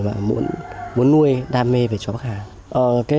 và muốn nuôi đam mê về chó bắc hà